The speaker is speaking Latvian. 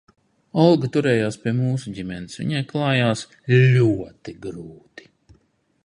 Olga turējās pie mūsu ģimenes, viņai klājās ļoti grūti.